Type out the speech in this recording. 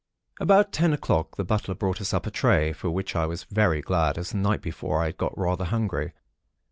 "About ten o'clock, the butler brought us up a tray; for which I was very glad; as the night before I had got rather hungry.